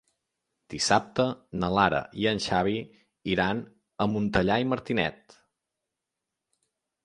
Dissabte na Lara i en Xavi iran a Montellà i Martinet.